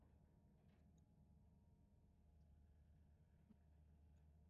Nvula kwa mwaka huu inauwa watu sana